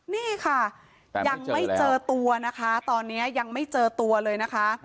นี่ค่ะยังไม่เจอตัวนะคะตอนนี้ยังไม่เจอตัวเลยนะคะ